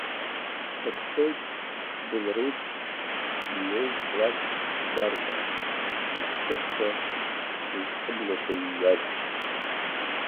Сацәшәоит сбылреиԥш иҩоу ҵлак збар ҳәа, снапхыцқәа зызхымгакәа иҩаз…